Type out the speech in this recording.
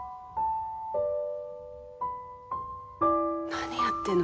何やってんの？